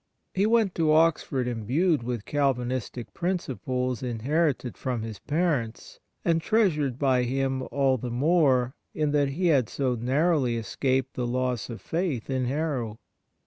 He went to Oxford imbued with Calvinistic principles inherited from his parents, and treasured by him all the more in that he had so narrowly escaped the loss of faith in Harrow.